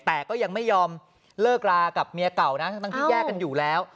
แต่ก็ยังไม่ยอมเลิกรากับเมียเก่านะทั้งที่แยกกันอยู่แล้ว